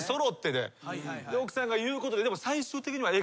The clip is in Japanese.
で奥さんが言うことで。